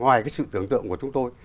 đó là sự tưởng tượng của chúng tôi